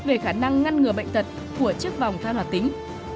về khả năng ngăn ngừa bệnh tật của chiếc vòng than hoạt tính